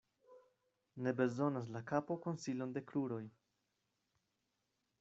Ne bezonas la kapo konsilon de kruroj.